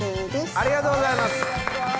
ありがとうございます！